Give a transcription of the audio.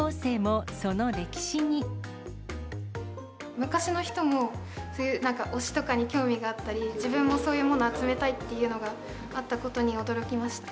昔の人も、そういうなんか推しとかに興味があったり、自分もそういうものを集めたいっていうのがあったことに驚きました。